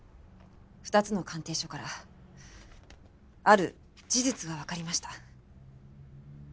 ２つの鑑定書からある事実がわかりました。